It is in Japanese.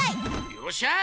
よっしゃ！